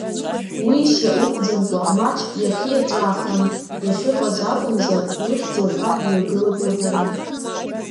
Уи шьа ықәӡамкәа, маҷк иаахиаҵәаахан иахьыҟаз акәымзар, лыхьӡ уҳәар дҩагылап уҳәарын.